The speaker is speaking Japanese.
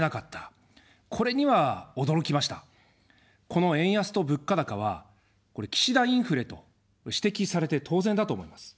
この円安と物価高は、岸田インフレと指摘されて当然だと思います。